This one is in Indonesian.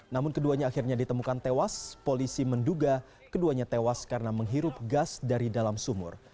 namun keduanya akhirnya ditemukan tewas polisi menduga keduanya tewas karena menghirup gas dari dalam sumur